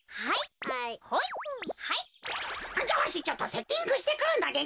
じゃあわしちょっとセッティングしてくるのでな。